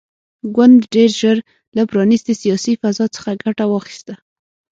ګوند ډېر ژر له پرانیستې سیاسي فضا څخه ګټه واخیسته.